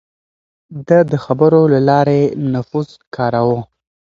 ده د خبرو له لارې نفوذ کاراوه.